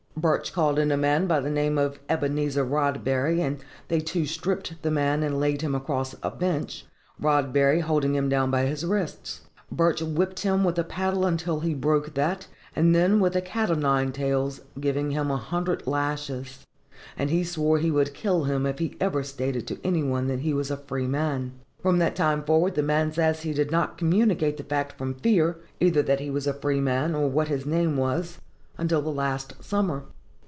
Burch called in a man by the name of Ebenezer Rodbury, and they two stripped the man and laid him across a bench, Rodbury holding him down by his wrists. Burch whipped him with a paddle until he broke that, and then with a cat o' nine tails, giving him a hundred lashes; and he swore he would kill him if he ever stated to any one that he was a free man. From that time forward the man says he did not communicate the fact from fear, either that he was a free man, or what his name was, until the last summer.